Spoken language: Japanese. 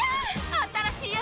新しいやつ！